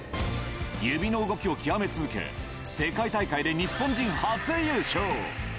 指の動きを極め続け、世界大会で日本人初優勝。